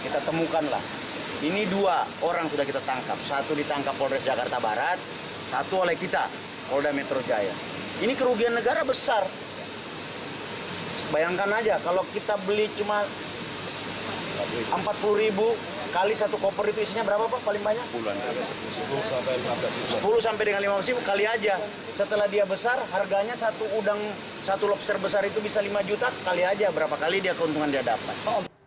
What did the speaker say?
sepuluh sampai dengan lima ribu kali saja setelah dia besar harganya satu lobster besar itu bisa lima juta kali saja berapa kali keuntungan dia dapat